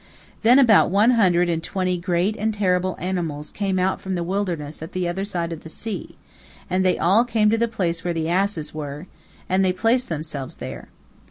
Then about one hundred and twenty great and terrible animals came out from the wilderness at the other side of the sea, and they all came to the place where the asses were, and they placed themselves there.